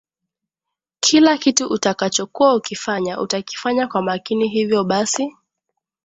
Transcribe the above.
kila kitu utakachokuwa ukifanya utakifanya kwa makini hivyo basi